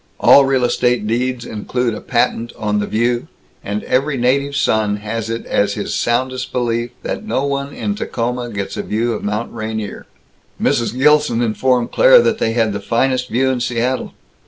All real estate deeds include a patent on the View, and every native son has it as his soundest belief that no one in Tacoma gets a View of Mount Rainier. Mrs. Gilson informed Claire that they had the finest View in Seattle.